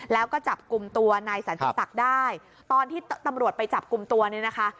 แล้วก็จับกลุ่มตัวนายสันติศักดิ์ได้ตอนที่ตำรวจไปจับกลุ่มตัวเนี่ยนะคะ